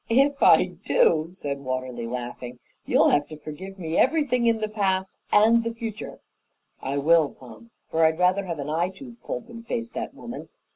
"If I do," said Watterly, laughing, "you'll have to forgive me everything in the past and the future." "I will, Tom, for I'd rather have an eye tooth pulled than face that woman.